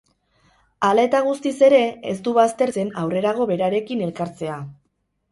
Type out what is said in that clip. Hala eta guztiz ere, ez du baztertzen aurrerago berarekin elkartzea.